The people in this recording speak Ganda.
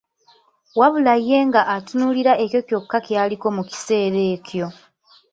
Wabula ye nga atunuulira ekyo kyokka ky'aliko mu kiseera ekyo.